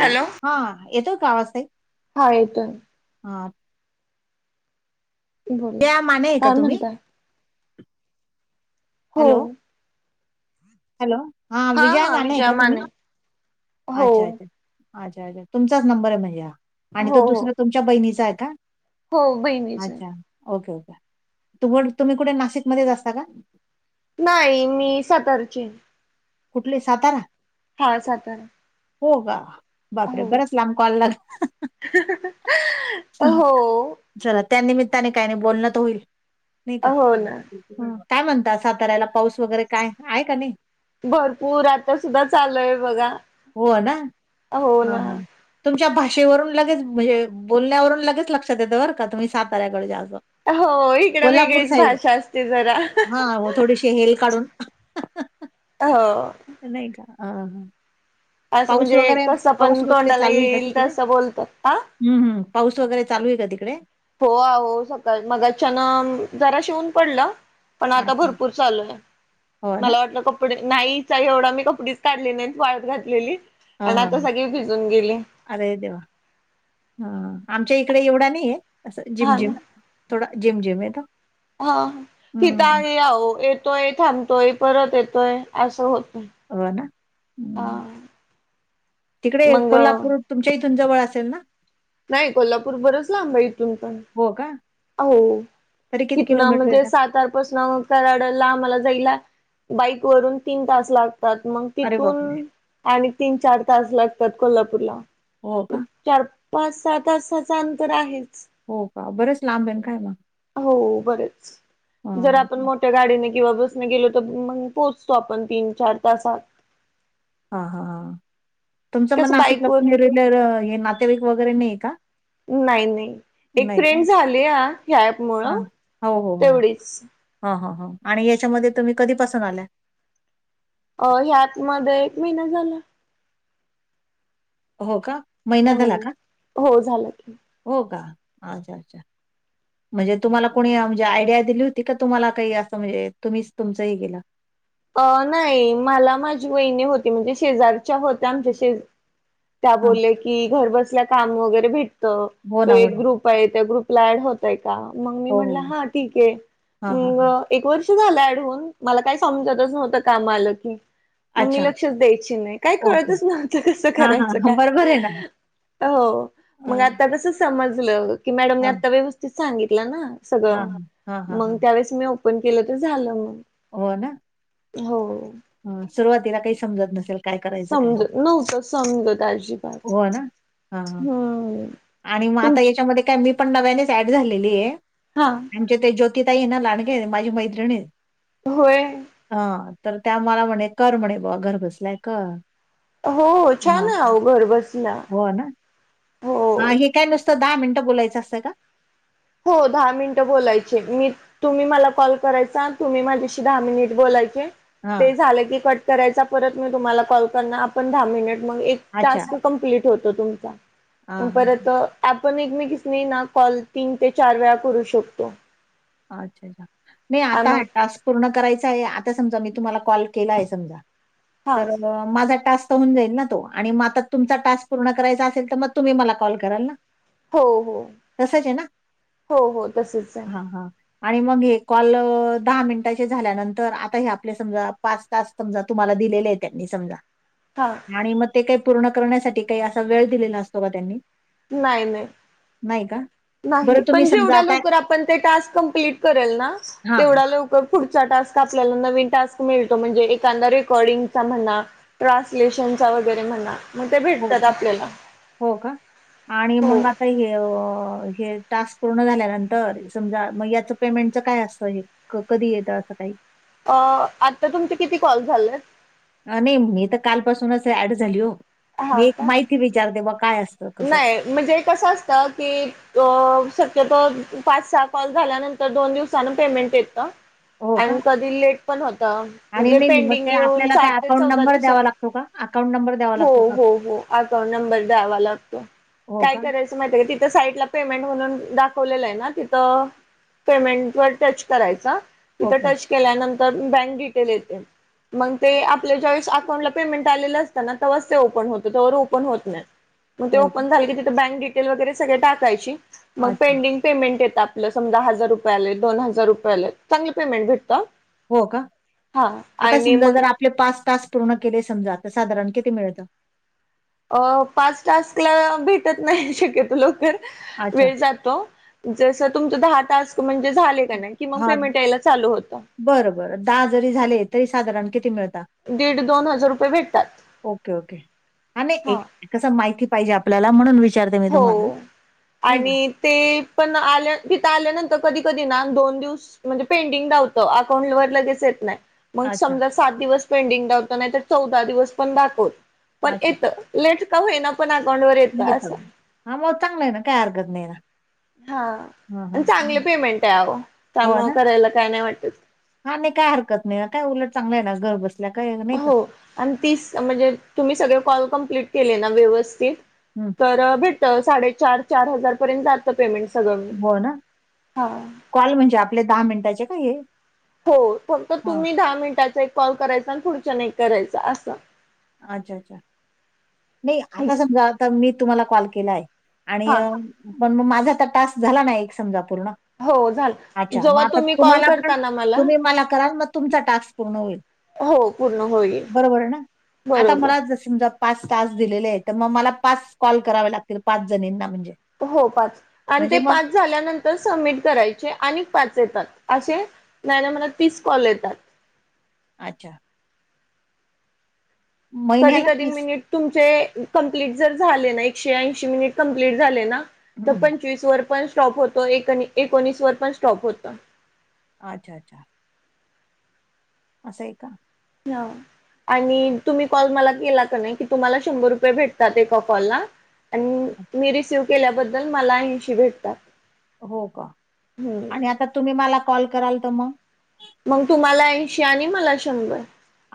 Hello हा यदो कावा असय हा येतोय हा बोला त्या माने आहे का काय तुम्ही म्हणताय हो हॅलो हॅलो हा विजया माने आहे का तुम्ही हो अच्छा अच्छा अच्छा अच्छा तुमचाच नंबर आहे म्हणजे हा आणि हो तो हो दुसरा तुमच्या बहिणीचा आहे का हो बहिणीच आहे. अच्छा ओके ओके तु तुम्ही कुठे नाशिक मध्येच असता का नाही मी सातारची कुठले सातारा हा सातार हो का बापरे बरच लांब कॉल ला हो चला त्या निमित्ताने काही नाही बोलणं तर होईल नाही का हो ना ह काय म्हणत साताऱ्याला पाऊस वगैरे काय आहे का नाही भरपूर आता सुद्धा चालूय बघा हो ना हो हा ना हा तुमच्या भाषेवरून लगेच म्हणजे बोलण्यावरून लगेच लक्षात देतं बरं का तुम्ही साताऱ्याकडच्या असं हो इकड कोल्हापूर वेगळीच साईड भाषा असते जरा हा हो थोडीशी हेल काढून हो नाही नाही का ह हा असं पाऊस म्हणजे वगैरे कसं पाऊस पण वगैरे तोंडाला चालू आहे का येईल तिकडे तसं बोलतात हा हम् हम पाऊस वगैरे चालू आहे का तिकडे हो आह सकाळ मगच्यान जरा शिवून पडलं पण आता अच्छा भरपूर चालू आहे हो ना मला वाटत का कपडे नाहीचा एवढा मी कपडेच काढले नाहीत वाळत घातलेली हा आणि हा आता हा. सगळे भिजून गेले. अरे देवा ह आमच्या इकडे एवढा नाही आहे असं जिम हा ना जिम थोडा जिम जिम आहे त हा तिथ आ आह येतोय थांबतोय परत येतोय असं होत. हो ना तिकडे मग कोल्हापूर तुमच्या इथून जवळ असेल ना? नाही कोल्हापूर बरच लांबा इथून पण. हो का? हो तरी किती इतन किलोमीटर म्हणजे येतं सातारपासन कराड ला आ मला जायला बाईक वरून तीन तास लागतात मग अरे बापरे तिथून आणि तीन चार तास लागतात कोल्हापूरला. हो का चार पाच सात वाजताच अंतर आहेच. हो का? बरंच लांब आहे ना काय मग? हो बरेच जर हां. आपण मोठ गाडीने किंवा बसने गेलो तर मग पोहोचतो आपण तीन चार तासात. हा हा ह तुमचं मग कसं बाईक वरून नाशिकलारलर हे नातेवाईक वगैरे नाही का? नाही नाही एक नाही का? फ्रेंड झाली या ह्या ऍप मुळ तेवढीच. ह ह ह आणि याच्यामध्ये तुम्ही कधीपासून आल्या? अ ह्यात मध्ये एक महिना झाला. हो का महिना हो झाला का? हो झालं. हो का आ अच्छा. म्हणजे तुम्हाला कोणी म्हणजे आयडिया दिली होती का तुम्हाला काही असं म्हणजे तुम्हीच तुमचंही गेलं. अ नाही मला माझी वहिणी होती म्हणजे शेजारच्या होत्या आमच्या शेज त्या हां. बोलल्या की घर बसल्या काम वगैरे भेटत हो तो ना, हो एक ना. ग्रुप आहे त्या ग्रुपला ऍड होतय का मग मी म्हटलं हा ठीक आहे. हा हा हा मग एक वर्ष झालं आडवून मला काय समजतच नव्हतं कामा आल की. अच्छा. मम्मी लक्षच द्यायची नाही काय ओके. कळतच नव्हतं कसं हां, हां, करायचं हां. काय. बरोबर आहे ना. हो मग हां, आता कस सम की मॅडम हां, आता व्यवस्थ सांगितलं ना सगळ हां, हां. हां, हां, हां. मग त्यावे मी ओपन केलं तर झालं म हो ना होय सुरुवातीला काही समजत नसेल. काय करायचं काय समजत नव्हत समज आधी. हो ना हा आणि मग आता तुमची याच्यामध्ये काय मी पण नव्यानेच ऍड झालेली आहे. हा आमचे ते ज्योतिताई ना लाडगे आहेत माझी मैत्रिणी आहेत. होय हा तर त्या मला म्हणे कर म्हणे बघायला घर बसलो होतो. हो हो छान आहे घर बसल्या हो हा हे काय नुसतं दहा मिनिट बोलायचं असतं का? हो दहा मिनटं बोलायची मी तुम्ही मला कॉल करायचा तुम्ही माझ्याशी दहा मिनिट बोलायचे. हां, ते झालं की कट करायचा परत मी तुम्हाला कॉल करणार आपण दहा मिनिट मग अच्छा. टास्क कम्प्लीट होतो हां, तुमचा हां, परत हां. आपण एकमेकीस नाही ना कॉल तीन ते चार वेळा करू शकतो. अच्छा अच्छा मी आ आता मग हा टास्क पूर्ण करायचा ये आता समजा मी तुम्हाला कॉल केला ये समजा हा तर मग माझा टास्क त होऊन जाईल ना तो आणि मग आता तुमचा टास्क पूर्ण करायचा असेल तर मग तुम्ही मला कॉल कराल ना. हो हो तसंच आहे ना? हो हो तसच आहे. हां, हां. आणि मग हे कॉल दहा मिनिटाचे झाल्यानंतर आता हे आपले समजा पाच तास समजा तुम्हाला दिलेले आहे त्यांनी समजा हां. आणि मग ते काही पूर्ण करण्यासाठी काही असा वेळ दिलेला असतो का त्यांनी? नाही नाही. नाही का. बरं नाही तुम्ही पण समजा जेवढ्या आता लवकर आपण ते टास्क कमप्लीट करेल ना हां. तेवढ्या लवकर पुढचा टास्क आपल्याला नवीन टास्क मिळतो म्हणजे एखादा रेकॉर्डिंगचा म्हणा ट्रान्सलेशनचा वगैरे म्हणा. मग ते हो भेटतात का? आपल्याला हो. फाई हे अ हे टास्क पूर्ण झाल्यानंतर समजा म याचं पेमेंटच काय असतं हे. क कधी येतं असं काही? अ आता तुमचे किती कॉल झालेत? नाही मी तर कालपासूनच ऍड झाली हो हा मी का माहिती विचारते बॉ काय अस नाही म्हणजे कसं असतं की अ शक्यतोर पाच सहा कॉल झाल्यानंतर दोन दिवसान पेमेंट येत हो का? आणि कधी लेट पण होत आणि म्हणजे नाही नाही मग पेंडिंग ते येऊन आपल्याला सात काय ते अकाउंट चौदा नंबर दिवसात द्यावा लागतो का? अकाउंट नंबर द्यावा हो लागतो का? हो हो अकाउंट नंबर द्यावा लागतो हो काय का? कराय करायच महितीये का तिथ साईट पेमेंट म्हणून दाखवलेलं आहे ना तिथं पेमेंट वर टच करायचा तिथं ओके. टच केल्यानंतर बँक डिटेल येते मग ते आपल्या ज्यावेेळेस अकाउंटला पेमेंट आलेलं असतं ना तेव्हाच ते ओपन होतं तोवर ओपन होत नाही. मग ते हो का? ओपन झाले की तिथे बँक डिटेल वगैरे सगळे टाकायची मग अच्छा. पेंडिंग पेमेंट येत आपलं समजा हजार रुपय आले दोन हजार रुपयाले चांगले पेमेंट भेटता. हो का आता समजा जर आपले पाच टास्क पूर्ण केले समजा तर साधारण किती मिळत? अ पाच टास्क ला भेटत नाही शक्यतो लवकर अच्छा. वेळ जातो जसं तुमचं दहा टास्क म्हणजे झाले का नाही कि मग हां. पेमेंट यायला चालू होता. बरं बर दहा जरी झाले तरी साधारण किती मिळता? दीड दोन हजार रुपये भेटतात. ओके ओके आणि हा कस माहिती पाहिजे आपल्याला म्हणून वि हो आणि ते पण आल्या तिथं आल्यानंतर कधी कधी ना दोन दिवस म्हणजे पेंटिंग दावतं अकाउंट वर लगेच येत नाही. मग अच्छा, समजा सात दिवस पेंडिंग दावत नाही तर चौदा दिवस पण दाखवुन पण अच्छा. येतं. लेट का होईना पण अकाउंट वर येतं असं. हा मग चांगल आहे ना काय हरकत नाहीये ना. हा हां, आणि हां. चांगले हं. पेमेंट आहे अहो त्यामुळे करायला काय नाही वाटत. हा नाही काय हरकत नाही काय उलट चांगलं आहे ना घर बसल्या काय नाही का. हो आणि तीस म्हणजे तुम्ही सगळे कॉल कमप्लीट केले ना व्यवस्थित हम्म. तर भेटत साडे चार चार हार पर्यंत जात पेमेंट सगळं मीळुन हो ना? हा. कॉल म्हणजे आपले दहा मिनिटाचे का हे? हो फक्त हां. तुम्ही दहा मिनिटाचा एक कॉल करायचा आणि पुढच्याने एक करायचा असं. अच्छा अच्छा नाही आता समजा आता मी तुम्हाला कॉल केलाये आणि हा पण मग माझा तर टास्क झाला नाही एक समजा पूर्ण. हो झालं अच्छा मग जेव्हा आता तुम्ही कॉल तुम्हाला पण करता ना तुम्ही मला कराल मग तुमचा टास्क पूर्ण होईल. हो पूर्ण होईल. बरोबर आहे ना. आता बरोबर मला जर समजा पाच टास्क दिलेले आहेत तर मग मला पाच कॉल करावे लागतील पाच जणींना म्हणजे. हो पाच आणि ते म्हणजे मग पाच. झाल्यानंतर सबमिट करायचे आणि पाच येतात असे ना म्हणता तीस कॉल येतात. अच्छा! कधी महिन्याला कधी मिनिट तुमचे कंप्लीट जर झाले ना एकशे ऐंशी मिनिट कंप्लीट झाले ना. तर हं. पंचवीस वर पण स्टॉप होतो एकोणीस वर पण स्टॉप होतो. अच्छा अच्छा! असं आहे का? हा. आणि तुम्ही कॉल मला केला का नाही की तुम्हाला शंभर रुपये भेटतात एका कॉल ला. आणि मी रिसिव केल्याबद्दल मला ऐंशी भेटतात. हो का? आणि हम्म आता तुम्ही मला कॉल कराल तर मग. मग तुम्हाला ऐंशी आणि मला शंभर.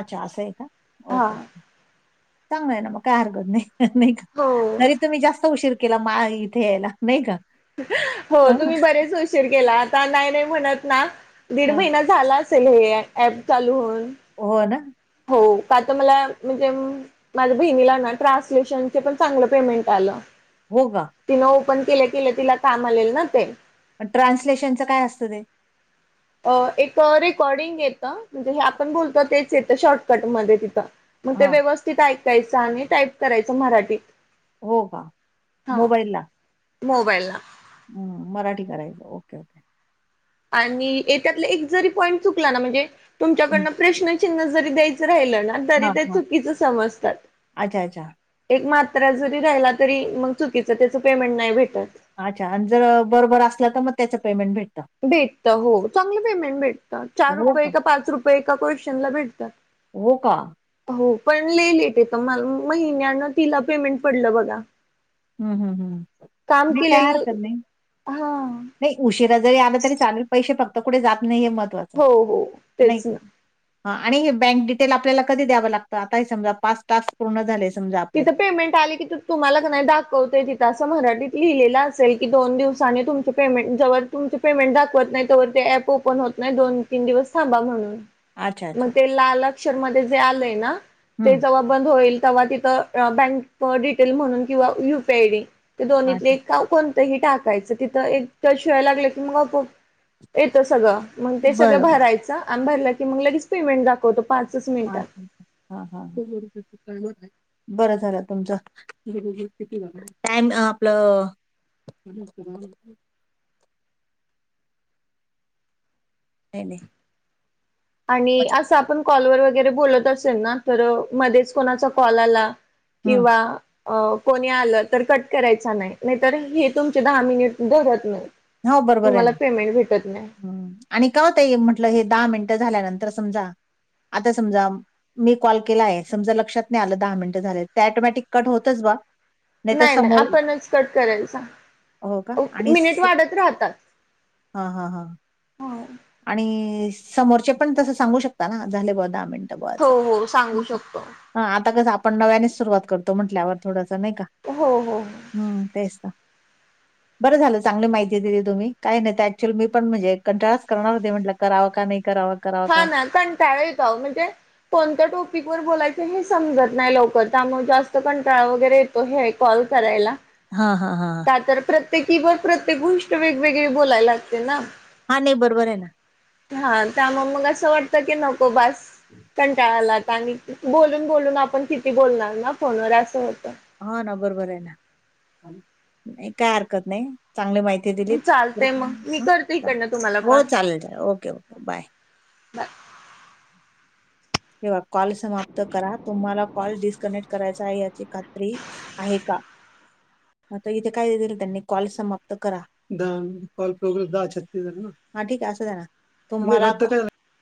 अच्छा असं आहे का हा ओके चांगल आहे ना म काय हरकत नाही. नाही का हो तरी तुम्ही जास्त उशीर केला मा इथे यायला. नाही का? हो हं, तुम्ही बरेच उशीर केला आता नाही नाही म्हणत ना दीड हं. महिना. झाला असेल हे ऍप चालू होऊन. हो ना. हो काल तर मला म्ह माझ्या बहिणीला ना ट्रान्सलेशनचे पण चांगलं पेमेंट आलं. हो गा? तिनं ओपन केल्या केल्या तिला काम आलेल ना ते ट्रान्सलेशनचं काय असतं ते? अ एक रेकॉर्डिंग येतं म्हणजे हे आपण बोलतो तेच येतं शॉर्टकटमध्येध्ये तिथं. मग ते हा व्यवस्थित ऐकायचं आणि टाईप करायचं मराठीत. हो का मोबाईल ला. मोबाईल ना. ह मराठी करायचं ओके ओके. आणि त्यातला एक जरी पॉईंट चुकला ना म्हणजे हं, तुमच्याकडन प्रश्न चिन्ह जरी द्यायचं राहिल ना तरी हा ते हा चुकीच समजतात. अच्छा अच्छा एक मात्रा जरी राहिला तरी मग चुकीचं त्याच पेमेंट नाही भेटत. अच्छा आणि जर बरोबर असलं तर मग त्याचं पेमेंट भेटतं. भेटत हो चांगलं पेमेंट भेटत चार रुपये का पाच रुपये एका क्वशनला भेटतात. हो का. हो पण ललेलेट तर म महिन्यानं तिला पेमेंट पडलं बघा. हं, हं, हं. काम नाही काय केले हरकत नाही हा. नाही उशिरा जरी आला तरी चालेल पैसे फक्त कुे जात नाही हे महत्वाचं हो हो नाही तेच का ना. हा आणि हे बँक डिटेल आपल्याला कधी द्यावं लागतं आता हे समजा पाच टास्क पूर्ण झाले समजा आपले तिथं पेमेंट आली की त तुम्हाला नाही दाखवते तिथं असं मराठीत लिहिलेलं असेल की दोन दिवसानी तुमच्या पेमेंट जेव तुमच पेमेंट दाखवत नाही तेवर ते ऍप ओपन होत नाही दोन तीन दिवस थांबा म्हणून. अच्छा मग अच्छा ते लाल अक्षर म जे आलंय ना ते हम्म जेव्हा बंद होईल तेव्हाि ब टे म्हणून कवा यीयडी दोण ह अच्छा टाकायचं तिथं एक त्या शिवाय लागलं की मग आप येतं सगळं. मग ते सगळं बरोबर भरायचं आम् भरलं की मग लगेच पेमेंट दाखवतो. पाचच मिनिटात अच्छाच्छा हा हा. बरं झालं तुमचं टाम आपलं. [unintelligible] नाही नाही. आणि असं आपण कॉलवर वगैरे बोलत असेल ना तर मध्येच कोणाचा कॉल आला. हम्म. किंवा अ कोणी आलं तर कट करायच नाही नाहीतर हे तुमचे दहा मिनिट धरत नाही. हो बरोबर हाय तुम्हाला ना! पेमेंट भेटत नाही आणि काव ताई म्हटलं हे दहा मिनट झाल्यानंतर समजा आता समजा मी कॉल केला आहे समजा लक्षात नाही आलं दहा मिनट झाले ते ऑटोमॅटिक कट होतच बा? तर नाही नाही समोर आपणच कट करायचा हो का आणि मिनिट स- वाढत राहतात. हा हा हा! हो आणि समोरचे पण तसं सांगू शकता ना झाले बा दहा मिनिट? हो हो सांगू शकतो. आता कस आपण नव्यानेच सुरुवात करतो म्हंटल्यावर थोडंस नाही का. हो हो! हम्म तेच ना. बरं झालं चांगली माहिती दिली तुम्ही काही नाही ऍक्च्युअली मी पण म्हणजें कटाळा करणार होते म्हटलं करावं का नाही करावं हा ना कंटाळा येतो अहो म्हणजे कोणत्या टॉपिक वर बोलायचं हे समजत नाही लवकर त्यामुळे जास्त कंटाळा वगैरे ये तो हे कॉल करायला. हा हा हा! का तर प्रत्येकी बर प्रत्येक गोष्ट वेगवेगळी बोलायला लागते ना. हा नाय बरोबर आहे ना. हा त्यामुळं मग असं वाटत की नको बास कंटाळा आला आणि बोलून बोलून आपण किती बोलणार ना फोनवर असं होतं. हा ना बरोबर आहे ना काय हरकत नाही चांगली माहि ती दिली चालतंय मग मी हो करते इकडनं तुम्हाला कॉल चालेल चालेल ओके ओके बाय. बाय. ठेवा कॉल समाप्त करा तुम्हाला कॉल डिस्कनेक्ट करायचा आहे याची खात्री आहे का. म आता इथे काय दिल त्यांनी कॉल समाप्त करा. द कॉल प्रोग्रेस द छत्तीसण झाले ना, हा ठीक आहे असूद्या ना तुम्हाला